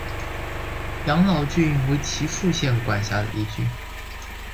养老郡为岐阜县管辖的一郡。